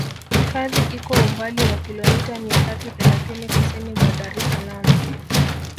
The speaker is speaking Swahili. Hifadhi iko umbali wa kilometa mia tatu thelathini kusini mwa Dar es Salaam